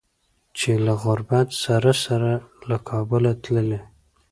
چې له غربت سره سره له کابله تللي